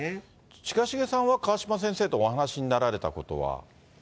近重さんは川嶋先生とお話になられたことは？